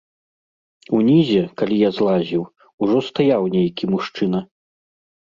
Унізе, калі я злазіў, ужо стаяў нейкі мужчына.